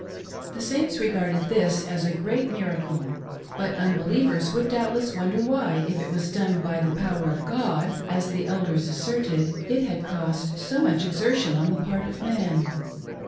, The Saints regarded this as a great miracle ; but unbeliev ers would doubtless wonder why, if it was done by " the power of God "— as the Elders asserted — it had cost so much exertion on the part of man.